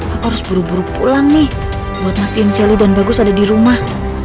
aku harus buru buru pulang nih buat masin selly dan bagus ada di rumah